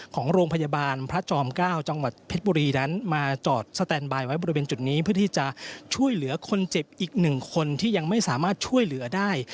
ของโรงพยาบาลพระจอม๙จังหวัดเพชรบุรีนั้นมาจอดสแตนบายไว้บริเวณจุดนี้เพื่อที่จะช่วยเหลือคนเจ็บอีกหนึ่งคนที่ยังไม่สามารถช่วยเหลือได้